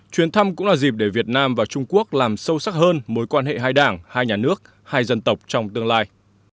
chuyến thăm cũng là dịp để việt nam và trung quốc làm sâu sắc hơn mối quan hệ hai đảng hai nhà nước hai dân tộc trong tương lai